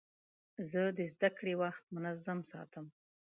زه د زدهکړې وخت منظم ساتم.